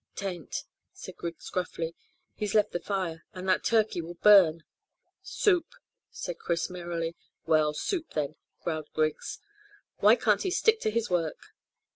"Tain't," said Griggs gruffly. "He's left the fire, and that turkey will burn." "Soup," said Chris merrily. "Well, soup, then," growled Griggs. "Why can't he stick to his work?"